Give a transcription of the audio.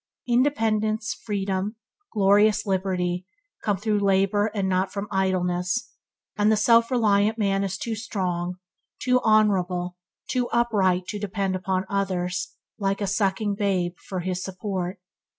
Independence, freedom, glorious liberty, come through labour and not from idleness, and the self reliant man is too strong, too honourable, too upright to depend upon others, like a sucking babe, for his support.